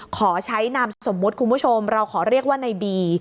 ขอใช้นามสมมุติคุณผู้ชมเราขอเรียกว่าในบี